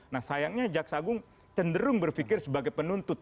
nah sayangnya jaksa agung cenderung berpikir sebagai penuntut